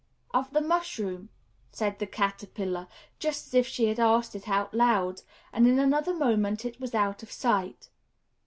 "Of the mushroom," said the Caterpillar, just as if she had asked it aloud; and in another moment, it was out of sight.